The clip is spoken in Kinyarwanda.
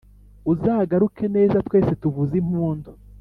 Uzagaruke neza twese tuvuze impundu